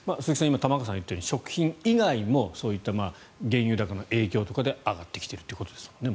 今、玉川さんが言ったように食品以外にもそういった原油高の影響とかで上がってきているということですもんね。